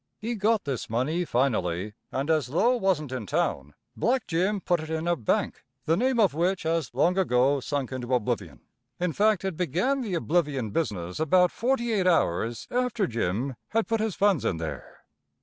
He got this money, finally, and as Lo wasn't in town, Black Jim put it in a bank, the name of which has long ago sunk into oblivion. In fact, it began the oblivion business about forty eight hours after Jim had put his funds in there.